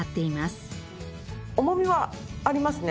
重みはありますね。